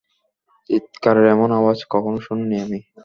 চিৎকারের এমন আওয়াজ কখনও শুনিনি আমি।